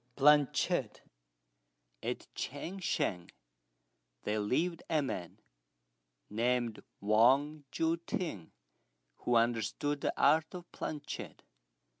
PLANCHETTE. At Ch'ang shan there lived a man, named Wang Jui t'ing, who understood the art of planchette.